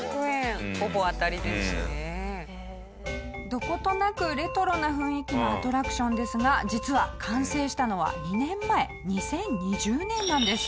どことなくレトロな雰囲気のアトラクションですが実は完成したのは２年前２０２０年なんです。